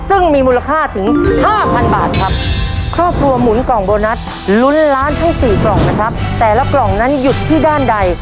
ซึ่งมีมูลค่าถึงห้าพันบาทครับครอบครัวหมุนกล่องโบนัสลุ้นล้านทั้งสี่กล่องนะครับแต่ละกล่องนั้นหยุดที่ด้านใด